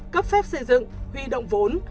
cấp phép xây dựng huy động vốn